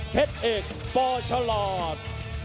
เพชรเอกปอล์ชาลอท